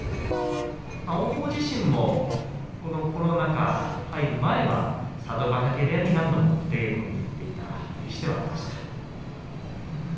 王鵬もコロナ禍に入る前は佐渡ヶ嶽部屋に何度も出稽古に行っていた力士ではありました。